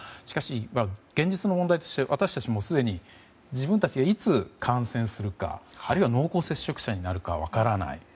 しかし、現実の問題として私たちもすでに自分たちがいつ感染するかあるいは濃厚接触者になるか分からない。